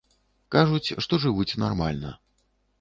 Кажуць, што жывуць нармальна.